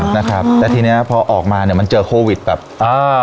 นะครับแล้วทีเนี้ยพอออกมาเนี้ยมันเจอโควิดแบบอ่า